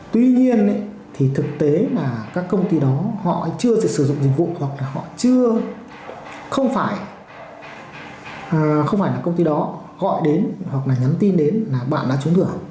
tuy nhiên thì thực tế là các công ty đó họ chưa thể sử dụng dịch vụ hoặc là họ chưa không phải không phải là công ty đó gọi đến hoặc là nhắn tin đến là bạn đã trúng thưởng